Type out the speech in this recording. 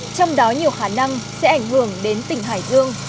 trong đó nhiều khả năng sẽ ảnh hưởng đến tỉnh hải dương